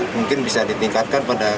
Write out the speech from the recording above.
mungkin bisa ditingkatkan pada